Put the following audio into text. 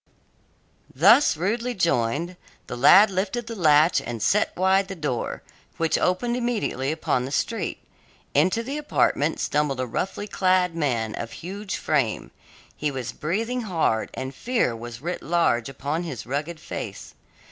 Thus rudely enjoined, the lad lifted the latch and set wide the door, which opened immediately upon the street. Into the apartment stumbled a roughly clad man of huge frame. He was breathing hard, and fear was writ large upon his rugged face.